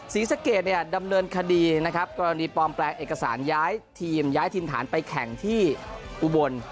ศรีสะเกดเนี่ยดำเนินคดีนะครับกรณีปลอมแปลงเอกสารย้ายทีมย้ายทีมฐานไปแข่งที่อุบล